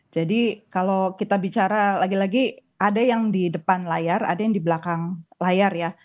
kalau kita bicara lagi lagi ada yang di depan layar ada yang di belakang layar ya